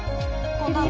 こんばんは。